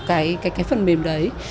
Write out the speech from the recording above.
cái phần mềm đấy